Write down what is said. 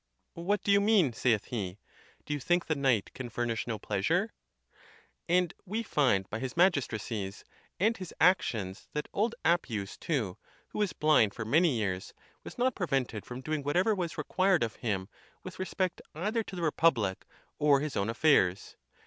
"What do you mean?" saith he; "do. you think the night can furnish no pleasure?" And we find by his magistracies and his actions that old Appius,* too, who was blind for many years, was not prevented from doing whatever was required of him with respect either to the republic or his own affairs.